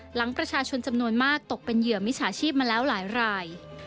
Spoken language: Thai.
หลังประชาชนจำนวนมากตกเป็นเหยื่อมิจฉาชีพมาแล้วหลายราย